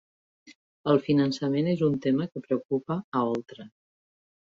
El finançament és un tema que preocupa a Oltra